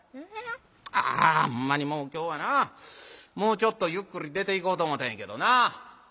あほんまにもう今日はなもうちょっとゆっくり出ていこうと思たんやけどなぁ。